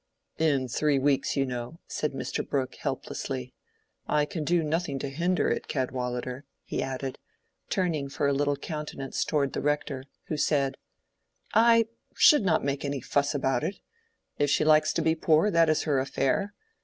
"In three weeks, you know," said Mr. Brooke, helplessly. "I can do nothing to hinder it, Cadwallader," he added, turning for a little countenance toward the Rector, who said— "I should not make any fuss about it. If she likes to be poor, that is her affair.